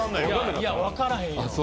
いや、分からへんよ。